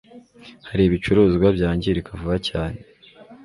har'ibicuruzwa byangirika vuba cyane